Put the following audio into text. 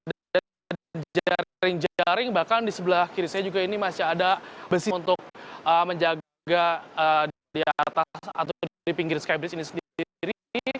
ada jaring jaring bahkan di sebelah kiri saya juga ini masih ada besi untuk menjaga di atas atau di pinggir skybridge ini sendiri